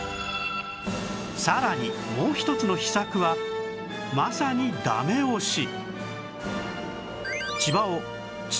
さらにもう一つの秘策はまさにダメ押し